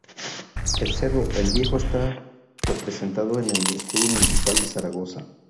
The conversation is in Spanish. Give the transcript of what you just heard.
El Cerro El Viejo está representado en el escudo municipal de Zaragoza.